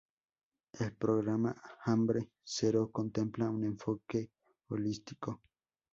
El programa Hambre Cero contempla un enfoque holístico.